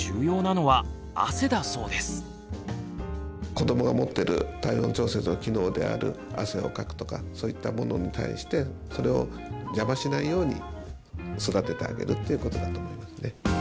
子どもが持ってる体温調節の機能である汗をかくとかそういったものに対してそれを邪魔しないように育ててあげるっていうことだと思いますね。